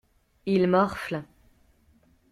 Ils morflent.